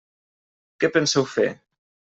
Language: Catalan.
Què penseu fer?